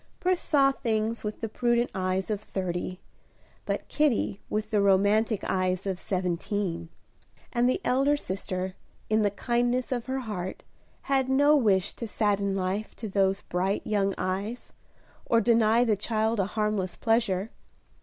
Pris saw things with the prudent eyes of thirty, but Kitty with the romantic eyes of seventeen; and the elder sister, in the kindness of her heart, had no wish to sadden life to those bright young eyes, or deny the child a harmless pleasure.